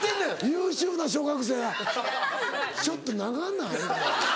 優秀な小学生が「ちょっと長ない？これ」。